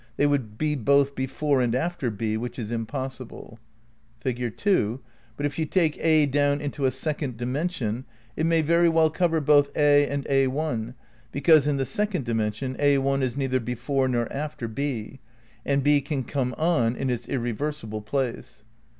They would be both before and after B, which is impossible. Pig. II. But if you take A down into a second dimension it may very well cover both a and a}, because in the second dimension a? is neither before nor after B ; and B can come on in its irreversible place.